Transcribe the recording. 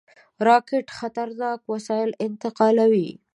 راکټ خطرناک وسایل انتقالوي